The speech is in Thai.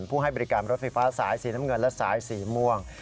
ให้บริการรถไฟฟ้าสายสีน้ำเงินและสายสีม่วง